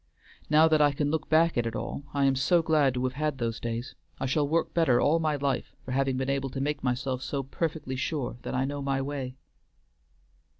Now that I can look back at it all I am so glad to have had those days; I shall work better all my life for having been able to make myself so perfectly sure that I know my way."